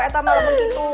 saya malah begitu